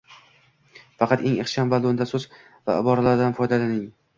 Faqat eng ixcham va lo‘nda so‘z va iboralardan foydalaning